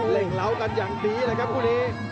เล้ากันอย่างดีเลยครับคู่นี้